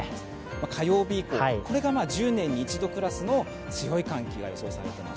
火曜日以降、これが１０年に一度クラスの強い寒気が予想されています。